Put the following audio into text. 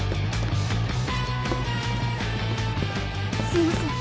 すいません